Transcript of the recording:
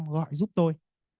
gọi giúp tôi